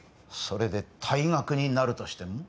それで退学になるとしても？